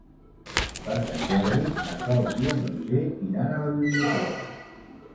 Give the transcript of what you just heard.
Per Sant Jordi na Sol i en Roger iran a la biblioteca.